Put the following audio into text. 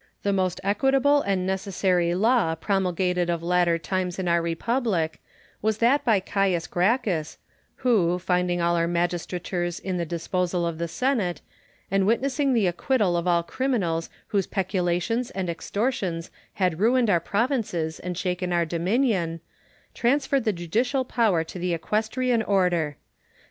The most equitable and necessary law promul gated of latter times in our republic was that by Caius Gracchus, who, finding all our magistratures in the disposal of the Senate, and witnessing the acquittal of all criminals whose peculations and extortions had ruined our provinces and shaken our dominion, transferred the judicial power to the Equestrian Order.